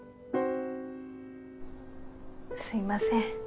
すいません。